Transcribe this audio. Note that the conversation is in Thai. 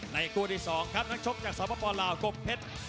คู่ที่๒ครับนักชกจากสปลาวกงเพชร